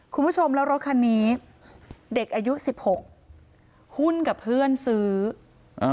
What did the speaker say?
คุณผู้ชมแล้วรถคันนี้เด็กอายุสิบหกหุ้นกับเพื่อนซื้ออ่า